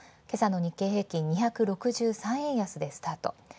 今朝の日経平均２６３円安でスタート。